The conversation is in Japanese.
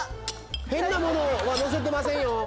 変なものはのせてませんよ。